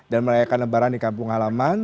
dan merayakan lebaran di kampung halaman